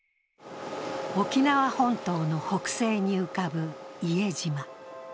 沖縄本島の北西に浮かぶ伊江島。